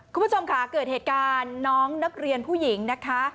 คุณผู้ชมค่ะเกิดเหตุการณ์น้องนักเรียนผู้หญิงนะคะ